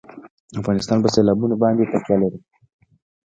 افغانستان په سیلابونه باندې تکیه لري.